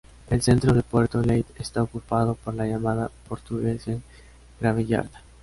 El centro de Puerto Leith está ocupado por la llamada "Portuguese graveyard".